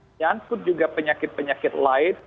menyangkut juga penyakit penyakit lain